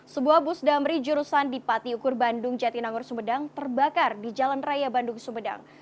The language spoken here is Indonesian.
sebuah bus damri jurusan di patiukur bandung jatinangor sumedang terbakar di jalan raya bandung sumedang